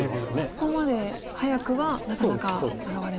ここまで早くはなかなか現れない。